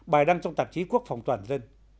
bài đăng trong tạp chí quốc phòng toàn dân